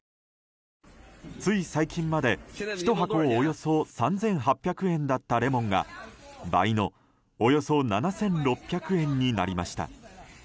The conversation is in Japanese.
つい最近まで、ひと箱およそ３８００円だったレモンが倍のおよそ７６００円になりました。